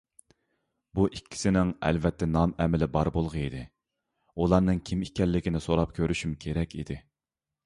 بۇ ئىككىسىنىڭ ئەلۋەتتە نام - ئەمىلى بار بولغىيدى، ئۇلارنىڭ كىم ئىكەنلىكىنى سوراپ كۆرۈشۈم كېرەك ئىدى.